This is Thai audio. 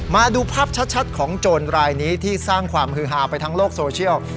มาดูภาพชัดของโจรรายนี้ที่สร้างความฮือฮาไปทั้งโลกโซเชียล